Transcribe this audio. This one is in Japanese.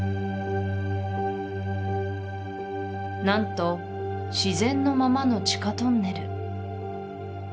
何と自然のままの地下トンネル